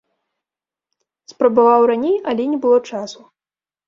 Спрабаваў раней, але не было часу.